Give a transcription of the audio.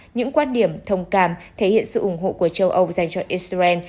những quan điểm thông cảm thể hiện sự ủng hộ của châu âu dành cho israel